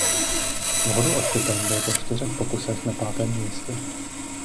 V hodu oštěpem byl po čtyřech pokusech na pátém místě.